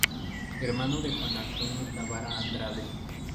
Hermano de Juan Antonio Távara Andrade.